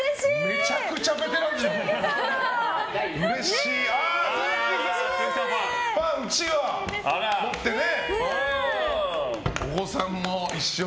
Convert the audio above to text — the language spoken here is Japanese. めちゃくちゃベテランでしょ！